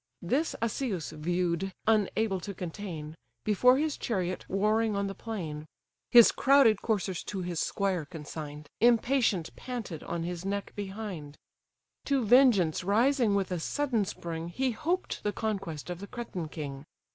This Asius view'd, unable to contain, Before his chariot warring on the plain: (His crowded coursers, to his squire consign'd, Impatient panted on his neck behind:) To vengeance rising with a sudden spring, He hoped the conquest of the Cretan king.